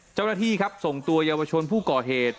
เจ้าหน้าที่ครับส่งตัวเยาวชนผู้ก่อเหตุ